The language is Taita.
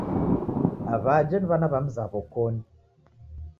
Aw'ajhe ni w'ana w'a mzaw'o koni